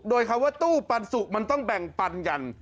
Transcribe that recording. โดยคำว่าตู้ปันสุกมันต้องแบ่งปันกัน